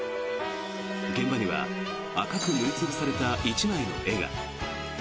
現場には赤く塗り潰された１枚の絵が。